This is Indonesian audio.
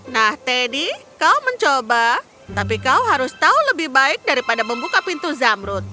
nah teddy kau mencoba tapi kau harus tahu lebih baik daripada membuka pintu zamrut